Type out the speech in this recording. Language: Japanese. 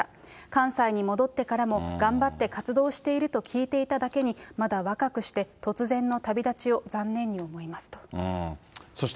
関西に戻ってからも、頑張って活動していると聞いていただけに、まだ若くして突然の旅立ちを残念に思いますと。